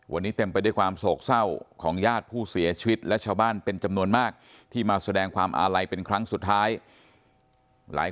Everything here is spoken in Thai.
วันนี้เต็มไปด้วยความโศกเศร้าของญาติผู้เสียชีวิตและชาวบ้านเป็นจำนวนมากที่มาแสดงความอาลัยเป็นครั้งสุดท้าย